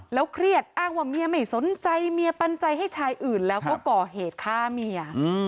เครียดอ้างว่าเมียไม่สนใจเมียปันใจให้ชายอื่นแล้วก็ก่อเหตุฆ่าเมีย